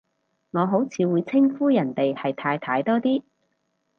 我好似會稱呼人哋係太太多啲